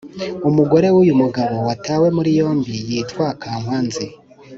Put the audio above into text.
umugore w’uyu mugabo watawe muri yombi yitwa kankwanzi